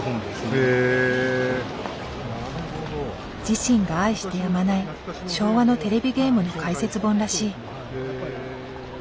自身が愛してやまない昭和のテレビゲームの解説本らしい。